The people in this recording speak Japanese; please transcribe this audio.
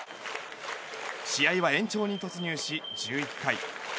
試合は延長に突入し、１１回。